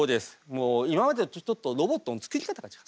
もう今までとちょっとロボットの作り方が違う。